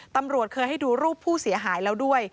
ตำรวจเคยให้ดูรูปผู้เสียหายแล้วด้วย